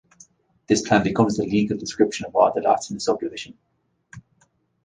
This plan becomes the legal description of all the lots in the subdivision.